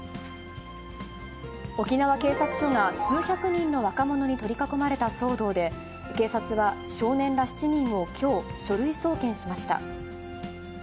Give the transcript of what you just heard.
沖縄警察署が数百人の若者に取り囲まれた騒動で、警察は少年ら７人をきょう、書類送検しました。